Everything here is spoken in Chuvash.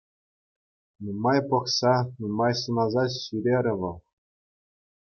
Нумай пӑхса, нумай сӑнаса ҫӳрерӗ вӑл.